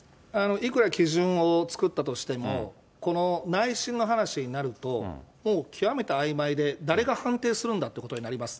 いくら基準を作ったとしても、この内心の話になると、もう極めてあいまいで、誰が判定するんだということになります。